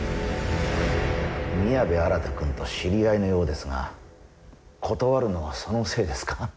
宮部新くんと知り合いのようですが断るのはそのせいですか？